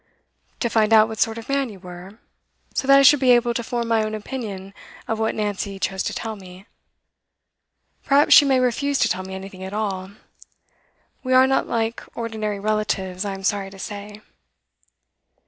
'To find out what sort of man you were, so that I should be able to form my own opinion of what Nancy chose to tell me. Perhaps she may refuse to tell me anything at all we are not like ordinary relatives, I am sorry to say.